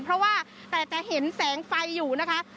เพราะว่าแต่จะเห็นแสงไฟอยู่นะคะ